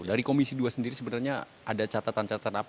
dari komisi dua sendiri sebenarnya ada catatan catatan apa